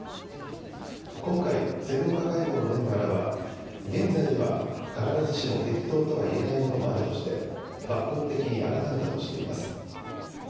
今回、専門家会合のメンバーらは、現在では必ずしも適当とは言えないものもあるとして、抜本的に改めたとしています。